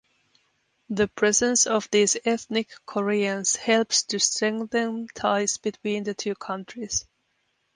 The presence of these ethnic Koreans helps to strengthen ties between the two countries.